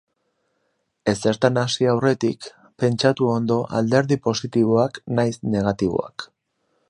Ezertan hasi aurretik, pentsatu ondo alderdi postiboak nahiz negatiboak.